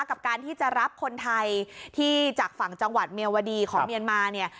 กับการที่จะรับคนไทยที่จากฝั่งจังหวัดเมียวดีของเมียนมาเนี่ย